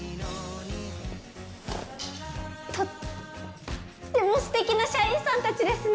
とってもすてきな社員さんたちですね